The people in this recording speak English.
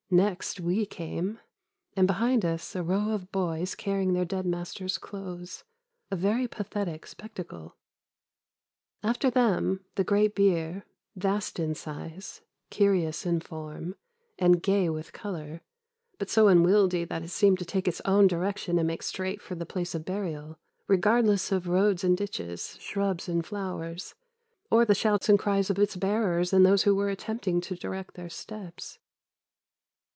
Next we came, and behind us a row of boys carrying their dead master's clothes, a very pathetic spectacle. After them the great bier, vast in size, curious in form, and gay with colour, but so unwieldy that it seemed to take its own direction and make straight for the place of burial, regardless of roads and ditches, shrubs and flowers, or the shouts and cries of its bearers and those who were attempting to direct their steps.